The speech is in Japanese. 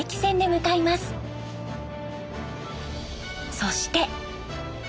そして。